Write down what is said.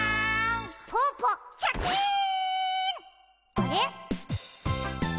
あれ？